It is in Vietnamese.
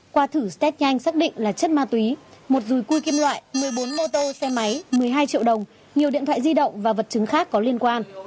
qua thử st test nhanh xác định là chất ma túy một rùi cui kim loại một mươi bốn mô tô xe máy một mươi hai triệu đồng nhiều điện thoại di động và vật chứng khác có liên quan